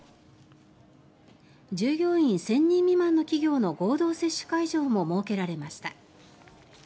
従業員１０００人未満の企業の合同接種会場も設けられました。